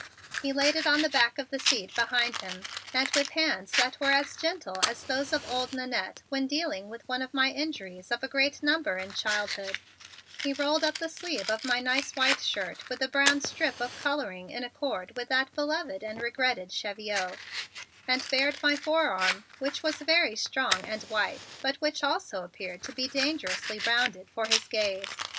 He laid it on the back of the seat behind him, and with hands that were as gentle as those of old Nannette when dealing with one of my injuries of a great number in childhood, he rolled up the sleeve of my nice white shirt with the brown strip of coloring in accord with that beloved and regretted cheviot, and bared my forearm, which was very strong and white but which also appeared to me to be dangerously rounded for his gaze.